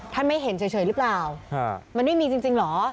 ไม่เห็นเฉยหรือเปล่ามันไม่มีจริงเหรอ